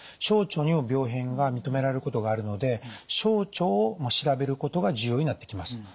小腸にも病変が認められることがあるので小腸を調べることが重要になってきます。